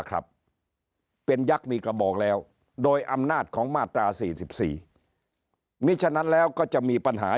ครับเป็นยักษ์มีกระบอกแล้วโดยอำนาจของมาตรา๔๔มิฉะนั้นแล้วก็จะมีปัญหา